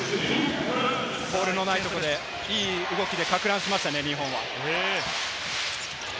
ボールのないところで、いい動きでかく乱しましたね、日本は。